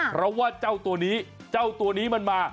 เพราะว่าเจ้าตัวนี้เจ้าตัวนี้มันมา